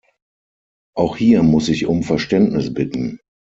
Auch hier muss ich um Verständnis bitten.